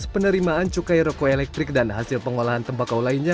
penerimaan cukai rokok elektrik dan hasil pengolahan tembakau lainnya